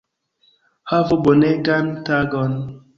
Havu bonegan tagon